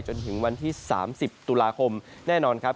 จนถึงวันที่๓๐ตุลาคมแน่นอนครับ